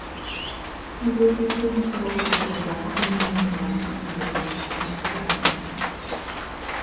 Для эффективности работы Суда не менее важно главенство принципа равенства.